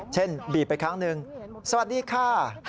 เช่นบีบไปครั้งนึงสวัสดีค่ะ